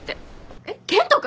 えっ健人君！？